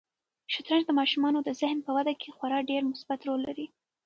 شطرنج د ماشومانو د ذهن په وده کې خورا ډېر مثبت رول لري.